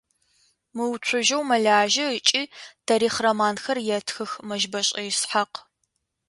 Мыуцужьэу мэлажьэ ыкӏи тарихъ романхэр етхых Мэщбэшӏэ Исхьакъ.